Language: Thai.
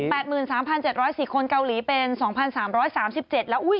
เกาหลี๘๓๗๔๐คนเกาหลีเป็น๒๓๓๗แล้วอุ๊ย